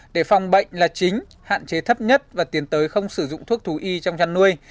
để phòng bệnh là chính hạn chế thấp nhất và tiến tới không sử dụng thuốc thú y trong chăn nuôi